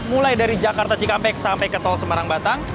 mulai dari jakarta cikampek sampai ke tol semarang batang